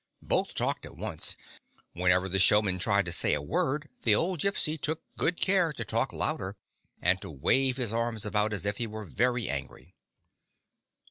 Both talked at once. Whenever the showman tried to say a word, the old Gypsy took good care to talk louder, and to wave his arms about, as if he were very angry.